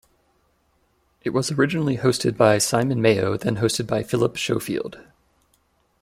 It was originally hosted by Simon Mayo then hosted by Phillip Schofield.